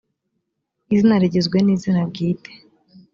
izina rigizwe n izina bwite